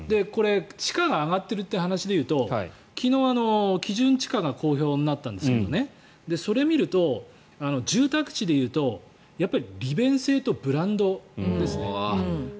地価が上がってるという話で言うと昨日、基準地価が公表になったんですけどそれを見ると、住宅地でいうとやっぱり利便性とブランドですね。